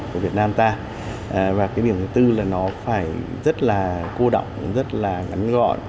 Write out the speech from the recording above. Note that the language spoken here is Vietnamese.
của việt nam ta và cái điểm thứ tư là nó phải rất là cô động rất là ngắn gọn